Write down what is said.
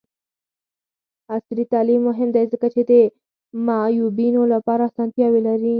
عصري تعلیم مهم دی ځکه چې د معیوبینو لپاره اسانتیاوې لري.